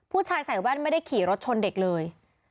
ผู้ชายใส่แว่นไม่ได้ขี่รถชนเด็กเลย